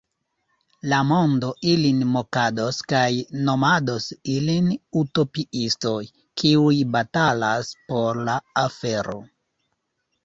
La mondo ilin mokados kaj nomados ilin utopiistoj, kiuj batalas por la afero.